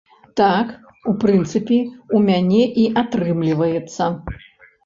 Так, у прынцыпе, у мяне і атрымліваецца.